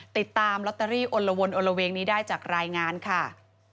ติดตามลอตเตอรี่อลละวนอนละเวงนี้ได้จากรายงานค่ะ